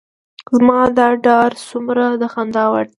زما دا ډار څومره د خندا وړ و.